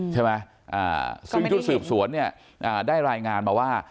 ซึ่งจุดสืบสวนได้รายงานมาว่า